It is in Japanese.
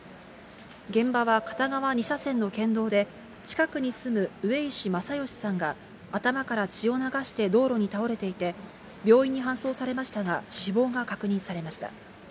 現場は片側２車線の県道で、近くに住む上石正義さんが、頭から血を流して道路に倒れていて、病院に搬送されましたが死亡が確認されました。